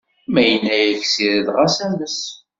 Ma yenna-yak ssired, ɣas ames!